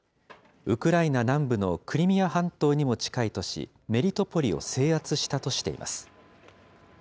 ウクライナ南部のクリミア半島にも近い都市、メリトポリを制圧したとしています。